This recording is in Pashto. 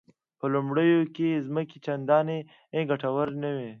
په لومړیو کې ځمکې چندانې ګټورې نه وې.